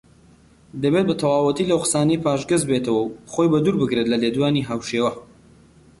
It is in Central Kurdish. دەبێت بەتەواوەتی لەو قسانەی پاشگەزبێتەوە و خۆی بە دوور بگرێت لە لێدوانی هاوشێوە